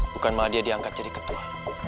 bukan malah dia diangkat jadi ketua